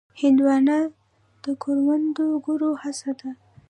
هندوانه د کروندګرو هڅه ده.